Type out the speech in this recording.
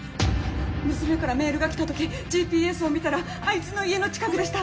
娘からメールが来た時ＧＰＳを見たらあいつの家の近くでした。